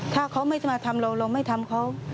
ถ้าเขาไม่จะมาทำเราเราไม่ทำเขา